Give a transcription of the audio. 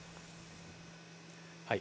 はい。